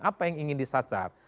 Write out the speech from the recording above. apa yang ingin disacar